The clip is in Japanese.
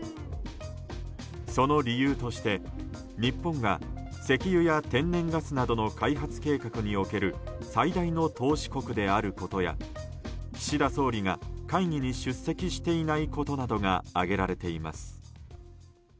その理由として日本が石油や天然ガスなどの開発計画における最大の投資国であることや岸田総理が会議に出席していないことなどが挙げられます。